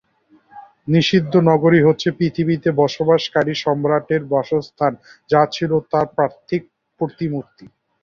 নিষিদ্ধ নগরী হচ্ছে পৃথিবীতে বসবাসকারী সম্রাটের বাসস্থান, যা ছিল তার পার্থিব প্রতিমূর্তি।